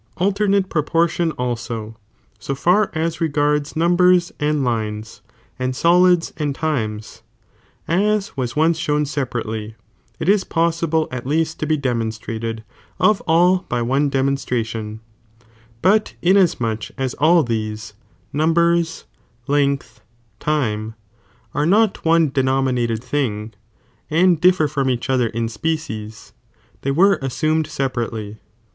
257 ■Iternate proportion also, so far as regards numbera and Hdcs M)d solids and times (as was once showu separately} it is possi ble at least to be demonstrated of all by one demuDstration, but inadtnucb as aU these, numbers, length, time, are not one deno minated thing, and differ from each other in epecies, they were assumed separately.